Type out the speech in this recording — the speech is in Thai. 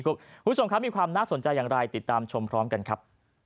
คุณผู้ชมครับมีความน่าสนใจอย่างไรติดตามชมพร้อมกันครับ